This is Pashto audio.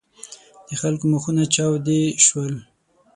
د خلکو مخونه چاودې شول.